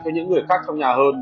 cho những người khác trong nhà hơn